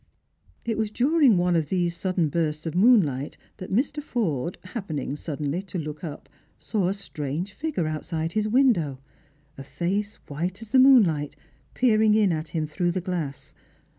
It was during one of these sudden bursts of moon light that Mr. Forde, happening suddenly to look up, saw a Btrange figure outside his window; a face white as the moon Ught, peering in at him through the glass.